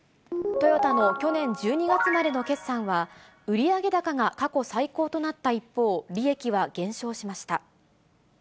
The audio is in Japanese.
トヨタの去年１２月までの決算は、売上高が過去最高となった一方、利益は減少しました。